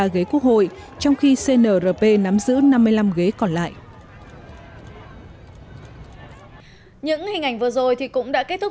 ghế quốc hội trong khi cnrp nắm giữ năm mươi năm ghế còn lại những hình ảnh vừa rồi thì cũng đã kết thúc